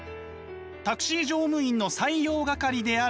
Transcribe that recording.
タクシー乗務員の採用係である小林さん。